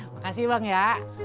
makasih bang ya